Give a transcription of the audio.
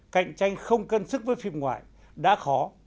cạnh tranh không cân sức với phim ngoại đã khó